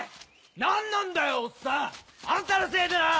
何なんだよおっさん！あんたのせいでな！